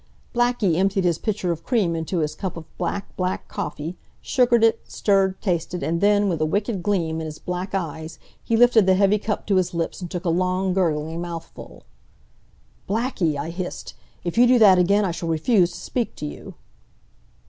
Blackie emptied his pitcher of cream into his cup of black, black coffee, sugared it, stirred, tasted, and then, with a wicked gleam in his black eyes he lifted the heavy cup to his lips and took a long, gurgling mouthful. "Blackie," I hissed, "if you do that again I shall refuse to speak to you!"